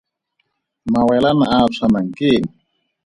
Mawelana a a tshwanang ke eng?